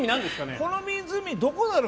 この湖、どこだろう？